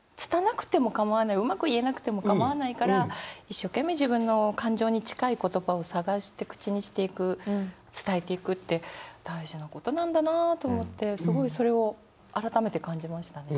拙くても構わないうまく言えなくても構わないから一生懸命自分の感情に近い言葉を探して口にしていく伝えていくって大事なことなんだなあと思ってすごいそれを改めて感じましたね。